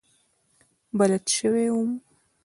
بلد شوی وم.